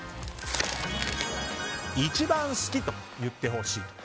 一番好きと言ってほしいと。